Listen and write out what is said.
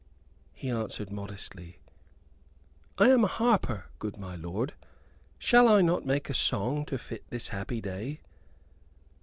He answered, modestly: "I am a harper, good my lord. Shall I not make a song to fit this happy day?"